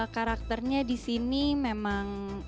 karakternya disini memang